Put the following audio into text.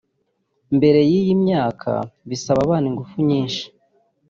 mbere y’iyi myaka bisaba abana ingufu nyinshi